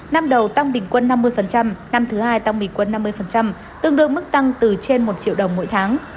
năm đầu tăng bình quân năm mươi năm thứ hai tăng bình quân năm mươi tương đương mức tăng từ trên một triệu đồng mỗi tháng